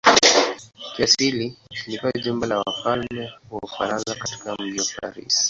Kiasili ilikuwa jumba la wafalme wa Ufaransa katika mji wa Paris.